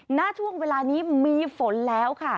หน้าช่วงเวลานี้มีฝนแล้ว